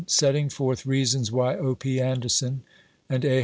SETTING FORTH REASONS WHY O. P. ANDERSON AND A.